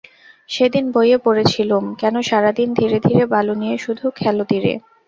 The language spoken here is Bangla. সেদিন বইয়ে পড়ছিলুম– কেন সারাদিন ধীরে ধীরে বালু নিয়ে শুধু খেল তীরে!